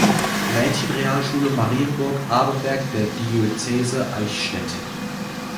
Mädchenrealschule Marienburg Abenberg der Diözese Eichstätt